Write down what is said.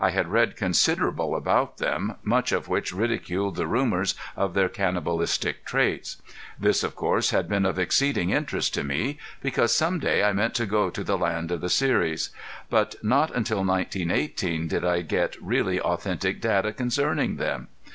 I had read considerable about them, much of which ridiculed the rumors of their cannibalistic traits. This of course had been of exceeding interest to me, because some day I meant to go to the land of the Seris. But not until 1918 did I get really authentic data concerning them.